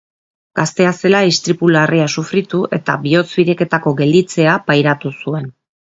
Gaztea zela istripu larria sufritu eta bihotz-biriketako gelditzea pairatu zuen.